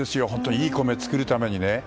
いい米を作るためにね。